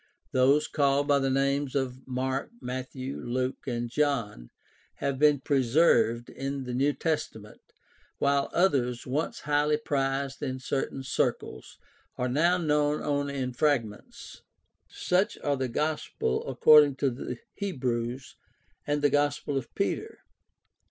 Those called by the names of Mark, Matthew, Luke, and John have been preserved in the New Testament, while others once highly prized in certain circles are now known only in fragments. Such are the Gospel according to the Hebrews and the Gospel of Peter.